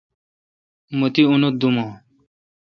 مہ تی اتیت دوم اں